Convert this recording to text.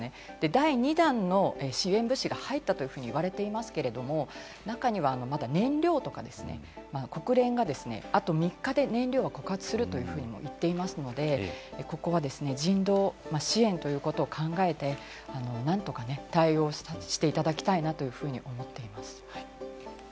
第２弾の支援物資が入ったと言われていますけれど、中にはまだ燃料とか国連があと３日で燃料が枯渇するというふうにも言っていますので、ここは人道支援ということを考えて、何とか対応していただきたいなというふうに思っています。